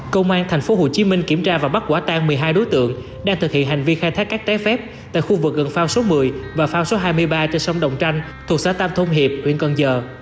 công an tp hcm kiểm tra và bắt quả tan một mươi hai đối tượng đang thực hiện hành vi khai thác các trái phép tại khu vực gần phao số một mươi và phao số hai mươi ba trên sông đồng tranh thuộc xã tam thông hiệp huyện cần giờ